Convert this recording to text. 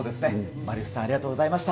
マリウスさん、ありがとうございました。